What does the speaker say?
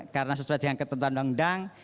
karena sesuai dengan ketentuan undang undang